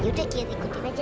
yaudah kita ikutin aja